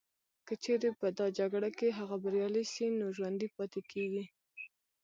که چیري په دا جګړه کي هغه بریالي سي نو ژوندي پاتیږي